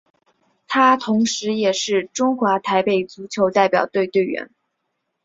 他同时也是中华台北足球代表队成员。